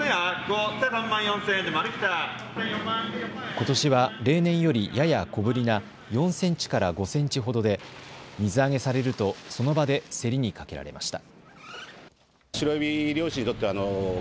ことしは例年よりやや小ぶりな４センチから５センチほどで水揚げされるとその場で競りにかけられました。